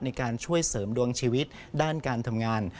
ในการช่วยเสริมดวงชีวิตด้านการทำงาน